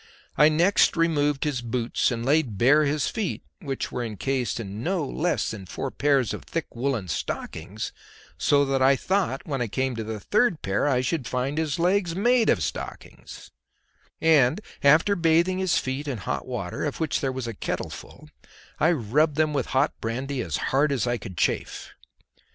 I next removed his boots and laid bare his feet (which were encased in no less than four pairs of thick woollen stockings, so that I thought when I came to the third pair I should find his legs made of stockings), and after bathing his feet in hot water, of which there was a kettleful, I rubbed them with hot brandy as hard as I could chafe.